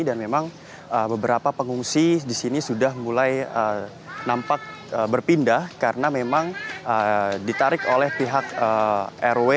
dan memang beberapa pengungsi di sini sudah mulai nampak berpindah karena memang ditarik oleh pihak rw